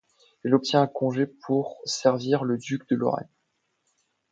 Il obtient un congé pour servir le duc de Lorraine.